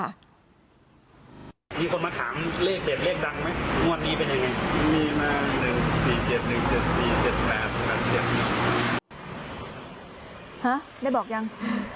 หรือได้บอกยัง